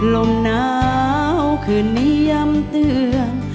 ลมหนาวคืนนี้ย้ำเตือน